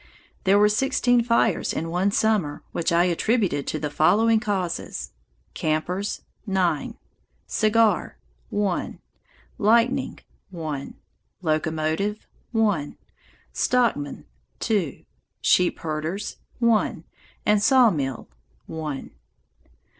There were sixteen fires in one summer, which I attributed to the following causes: campers, nine; cigar, one; lightning, one; locomotive, one; stockmen, two; sheep herders, one; and sawmill, one.